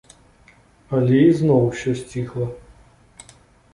Але ізноў усё сціхла.